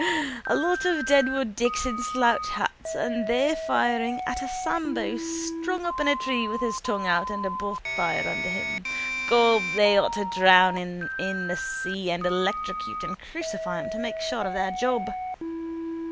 A lot of Deadwood Dicks in slouch hats and they firing at a Sambo strung up in a tree with his tongue out and a bonfire under him. Gob, they ought to drown him in the sea after and electrocute and crucify him to make sure of their job.